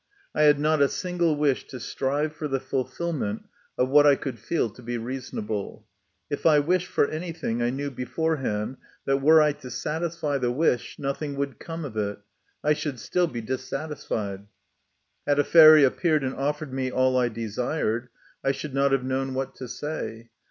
I had not a single wish to strive for the fulfilment of what I could feel to be reasonable. If I wished for anything, I knew beforehand that, were I to satisfy the wish, nothing would come of it ; I should still be dissatisfied. Had a fairy appeared and offered me all I desired, I should not have known what to say.